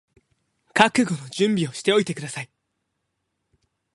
覚悟の準備をしておいてください